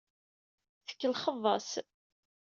Tkellxeḍ-as.